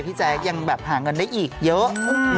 พี่แจ๊กยังหาเงินได้อีกเยอะ